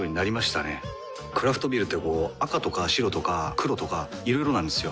クラフトビールってこう赤とか白とか黒とかいろいろなんですよ。